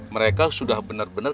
mereka sudah benar benar